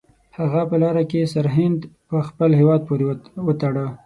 هغه په لاره کې سرهند په خپل هیواد پورې وتاړه.